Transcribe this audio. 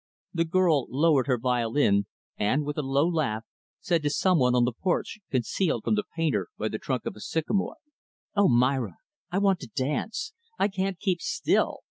The girl lowered her violin, and, with a low laugh, said to some one on the porch concealed from the painter by the trunk of a sycamore "O Myra, I want to dance. I can't keep still.